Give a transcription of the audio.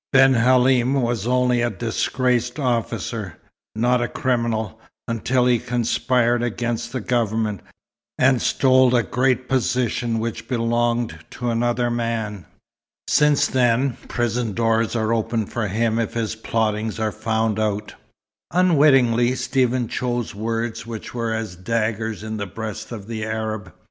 "Ben Halim was only a disgraced officer, not a criminal, until he conspired against the Government, and stole a great position which belonged to another man. Since then, prison doors are open for him if his plottings are found out." Unwittingly Stephen chose words which were as daggers in the breast of the Arab.